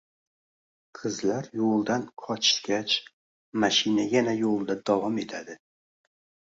Qizlar yoʻldan qochishgach, mashina yana yoʻlida davom etadi.